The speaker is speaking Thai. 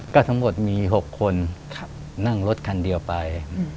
ก็ทั้งหมดมี๖คนนั่งรถคันเดียวไป